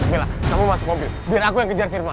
bella kamu masuk mobil biar aku yang kejar firman